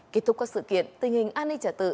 kết thúc các sự kiện tình hình an ninh trả tự